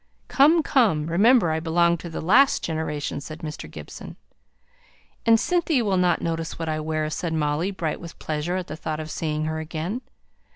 "Come, come! Remember I belong to the last generation," said Mr. Gibson. "And Cynthia will not notice what I wear," said Molly, bright with pleasure at the thought of seeing her again.